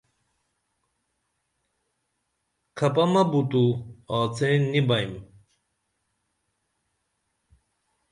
کھپہ مہ بو تو آڅِین نی بئیم